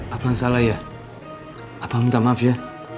abang salah ya abang minta maaf ya